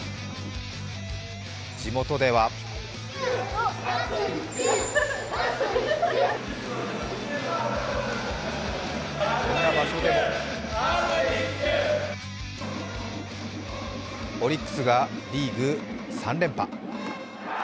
地元ではこんな場所でもオリックスがリーグ３連覇。